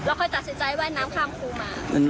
แล้วค่อยตัดสินใจไว้น้ำข้างคูมา